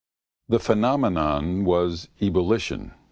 The phenomenon of ebullition.